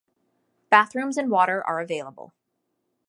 Bathrooms and water are available.